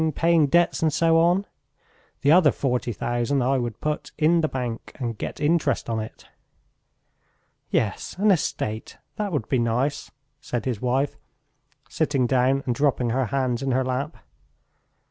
paying debts, and so on.... The other forty thousand I would put in the bank and get interest on it." "Yes, an estate, that would be nice," said his wife, sitting down and dropping her hands in her lap.